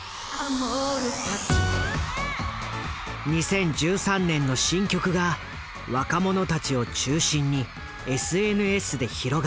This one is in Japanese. ２０１３年の新曲が若者たちを中心にＳＮＳで広がり再び光が当たる。